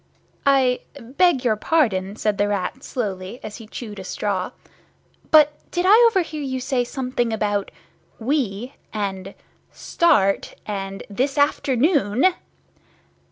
"I beg your pardon," said the Rat slowly, as he chewed a straw, "but did I overhear you say something about 'we,' and 'start,' and '_this afternoon?